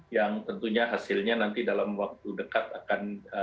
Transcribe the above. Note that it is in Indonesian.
yang tentunya hasilnya nanti dalam waktu dekat akan